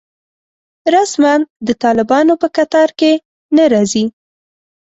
رسماً د طالبانو په کتار کې نه راځي.